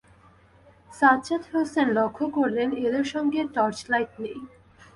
সাজ্জাদ হোসেন লক্ষ করলেন, এদের সঙ্গে টর্চলাইট নেই।